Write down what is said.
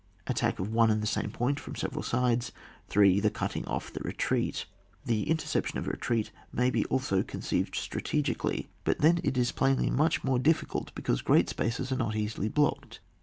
Attack of one and the same point from several sides. 3. The cutting off the retreat. The interception of a retreat may be also conceived strategically, but then it is plainly much more difficult, because great spaces are not easily blocked.